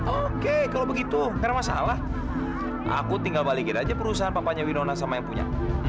oke kalau begitu karena masalah aku tinggal balikin aja perusahaan papanya widona sama yang punya